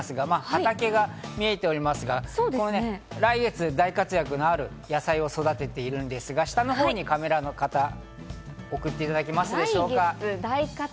畑が見えておりますが、来月大活躍のある野菜を育てているんですが、下のほうにカメラを送っていただけますか？